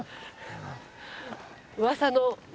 うわさの。